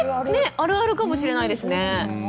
あるあるかもしれないですね。